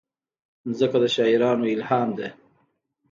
مځکه د شاعرانو الهام ده.